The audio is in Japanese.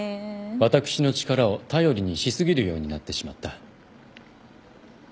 私の力を頼りにしすぎるようになってしまった。